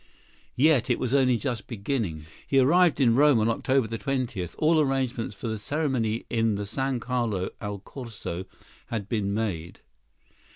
Yet it was only just beginning! He arrived in Rome on October 20. All arrangements for the ceremony in the San Carlo al Corso had been made.